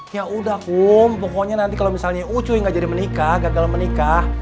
ya udah kum pokoknya nanti kalau misalnya ucuy gak jadi menikah gagal menikah